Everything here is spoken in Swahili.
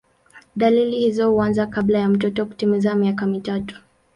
Dalili hizo huanza kabla ya mtoto kutimiza miaka mitatu.